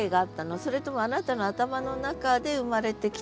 それともあなたの頭の中で生まれてきた。